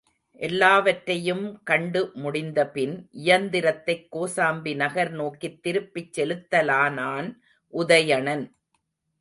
எல்லாவற்றையும் கண்டு முடிந்தபின் இயந்திரத்தைக் கோசாம்பி நகர் நோக்கித் திருப்பிச் செலுத்தலானான் உதயணன்.